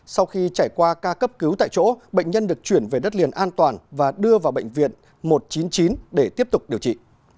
sau khi trải qua ca cấp cứu tại chỗ bệnh nhân được chuyển về đất liền an toàn và đưa vào bệnh viện một trăm chín mươi chín để tiếp tục điều trị